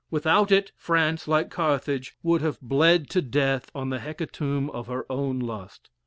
Without it, France, like Carthage, would have bled to death on the hecatomb of her own lust.